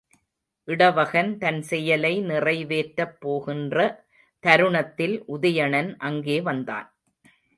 இடவகன் தன் செயலை நிறைவேற்றப் போகின்ற தருணத்தில் உதயணன் அங்கே வந்தான்.